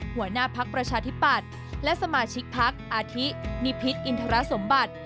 หัวหน้าพักประชาธิปัตย์และสมาชิกพักอาทินิพิษอินทรสมบัติ